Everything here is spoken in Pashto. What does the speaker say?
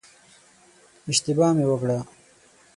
اشتباه مې وکړه.